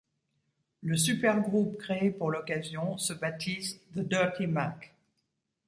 Le supergroupe créé pour l'occasion se baptise The Dirty Mac.